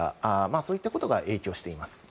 そういったことが影響しています。